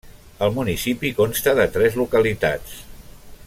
El municipi consta de tres localitats.